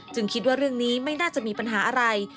คิดว่าเรื่องนี้ไม่น่าจะมีปัญหาอะไร